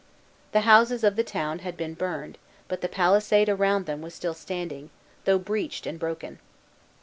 The houses of the town had been burned, but the palisade around them was still standing, though breached and broken.